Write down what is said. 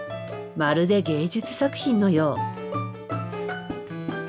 まるで芸術作品のよう。